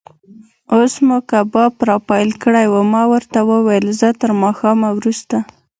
اوس مو کباب را پیل کړی و، ما ورته وویل: زه تر ماښام وروسته.